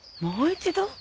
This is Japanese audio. もう一度？